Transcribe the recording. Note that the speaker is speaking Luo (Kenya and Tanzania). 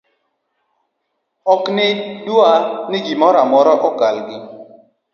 oknegidwa ni gimoramora okalgi